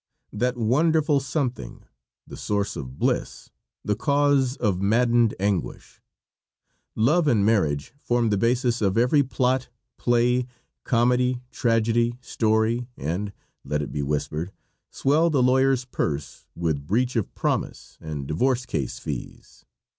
That wonderful something the source of bliss, the cause of maddened anguish! Love and marriage form the basis of every plot, play, comedy, tragedy, story, and, let it be whispered, swell the lawyer's purse with breach of promise and divorce case fees.